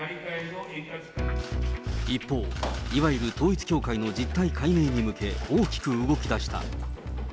一方、いわゆる統一教会の実態解明に向け大きく動きだした。